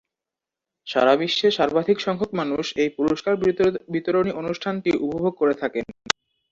সারা বিশ্বে সর্বাধিক সংখ্যক মানুষ এই পুরস্কার বিতরণী অনুষ্ঠানটি উপভোগ করে থাকেন।